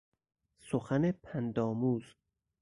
سخن پندآمیز